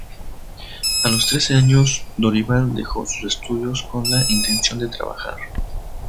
A los trece años Dorival dejó sus estudios con la intención de trabajar.